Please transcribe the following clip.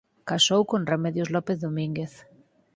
Casou con Remedios López Domínguez.